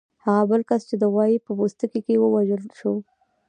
هغه بل کس چې د غوايي په پوستکي کې و وژغورل شو.